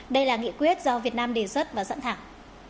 đây là nghị quyết do việt nam đề xuất và dẫn thẳng